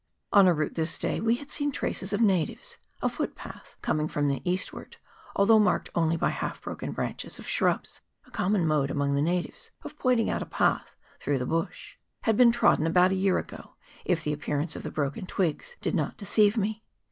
On our route thi|jjday we had seen traces of na tives ; a footpath coining from the eastward, al though marked only by the half broken branches of shrubs (a common mode among the natives of pointing out a path through the bush), had been trodden about a year ago, if the appearance of the broken twigs did not deceive me.